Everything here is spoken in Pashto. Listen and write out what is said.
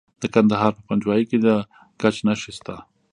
د کندهار په پنجوايي کې د ګچ نښې شته.